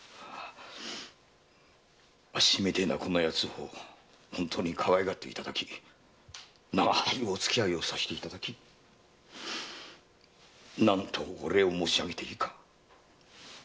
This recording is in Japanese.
あっしみてえなこんな奴を本当にかわいがっていただき長いおつきあいをさせていただき何とお礼を申しあげていいか。